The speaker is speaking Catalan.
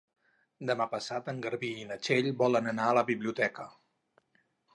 Demà passat en Garbí i na Txell volen anar a la biblioteca.